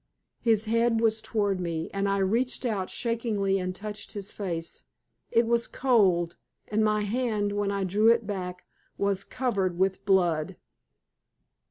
His head was toward me, and I reached out shakingly and touched his face. It was cold, and my hand, when I drew it back, was covered with blood.